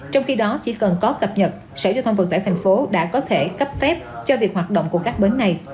trong khi đó chỉ cần có cập nhật sở giao thông vận tải thành phố đã có thể cấp phép cho việc hoạt động của các bến này